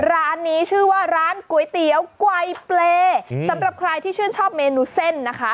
ร้านนี้ชื่อว่าร้านก๋วยเตี๋ยวไกลเปลสำหรับใครที่ชื่นชอบเมนูเส้นนะคะ